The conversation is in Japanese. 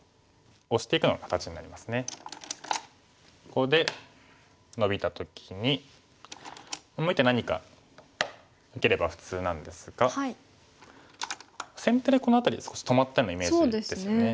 ここでノビた時にもう一手何か受ければ普通なんですが先手でこの辺りが少し止まったようなイメージですよね。